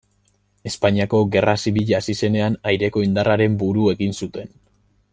Espainiako Gerra Zibila hasi zenean, aireko indarren buru egin zuten.